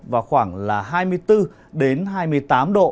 và khoảng là hai mươi bốn đến hai mươi tám độ